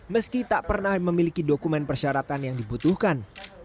meski tak pernah memiliki dokumen persyaratan yang dibutuhkan